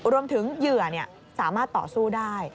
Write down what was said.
เหยื่อสามารถต่อสู้ได้